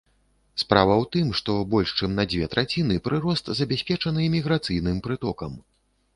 Справа ў тым, што больш чым на дзве траціны прырост забяспечаны міграцыйным прытокам.